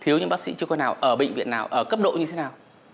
thiếu những bác sĩ chuyên khoa nào ở bệnh viện nào ở cấp độ như thế nào